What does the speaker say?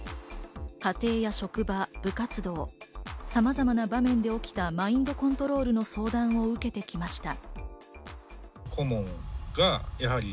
家庭や職場、部活動、さまざまな場面に起きたマインドコントロールの相談を受けてきました。